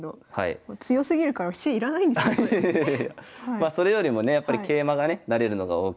まあそれよりもねやっぱり桂馬がね成れるのが大きいと。